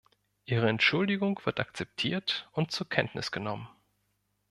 Ihre Entschuldigung wird akzeptiert und zur Kenntnis genommen.